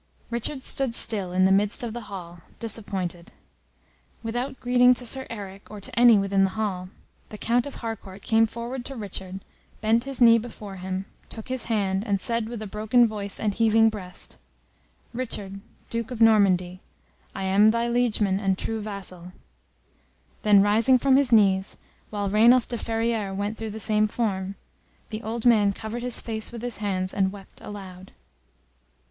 Richard stood still in the midst of the hall, disappointed. Without greeting to Sir Eric, or to any within the hall, the Count of Harcourt came forward to Richard, bent his knee before him, took his hand, and said with a broken voice and heaving breast, "Richard, Duke of Normandy, I am thy liegeman and true vassal;" then rising from his knees while Rainulf de Ferrieres went through the same form, the old man covered his face with his hands and wept aloud.